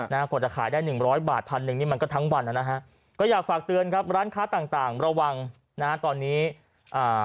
กว่าจะขายได้หนึ่งร้อยบาทพันหนึ่งนี่มันก็ทั้งวันนะฮะก็อยากฝากเตือนครับร้านค้าต่างต่างระวังนะฮะตอนนี้อ่า